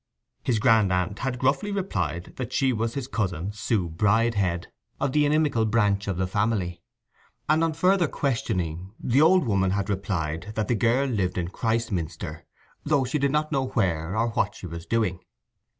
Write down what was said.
His grand aunt had gruffly replied that she was his cousin Sue Bridehead, of the inimical branch of the family; and on further questioning the old woman had replied that the girl lived in Christminster, though she did not know where, or what she was doing.